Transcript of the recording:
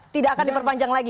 tidak akan diperpanjang lagi